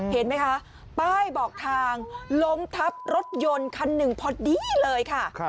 เห็นไหมคะป้ายบอกทางล้มทับรถยนต์คันหนึ่งพอดีเลยค่ะ